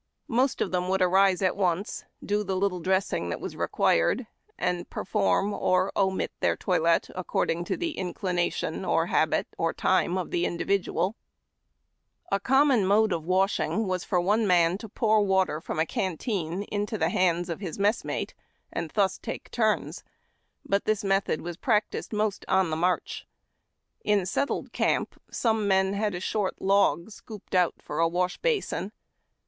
Most of them would arise at once, do the little dressing that was required, and perform or omit their toilet, according to the inclination or habit or time of the individual. 166 HABD TACK AND COFFEE. A common mode of washing was for one man to pour water from a canteen into the hands of his messmate, and thus take turns ; but this method was practised most on the march. In settled camp, some men had a short log scooped out for a wash basin.